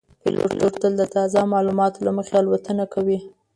پیلوټ تل د تازه معلوماتو له مخې الوتنه کوي.